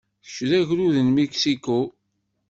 Kečč d agrud n Mexico?